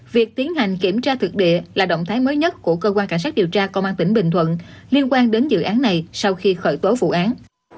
việc tiến hành kiểm tra thực địa là động thái mới nhất của cơ quan cảnh sát điều tra công an tỉnh bình thuận liên quan đến dự án này sau khi khởi tố vụ án